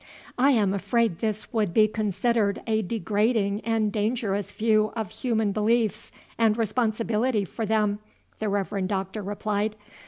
"I am afraid this would be considered a degrading and dangerous view of human beliefs and responsibility for them," the Reverend Doctor replied.